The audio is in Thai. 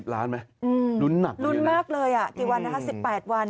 ลุ้นหนักกว่าอย่างนี้นะครับลุ้นมากเลยสิบแปดวัน